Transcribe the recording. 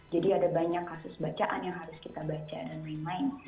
jadi ada banyak kasus bacaan yang harus kita baca dan lain lain